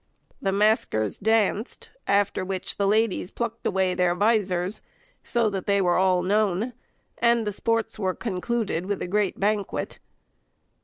The maskers danced, after which the ladies plucked away their visors, so that they were all known; and the sports were concluded with a great banquet.